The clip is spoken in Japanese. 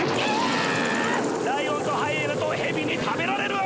ライオンとハイエナとヘビに食べられる！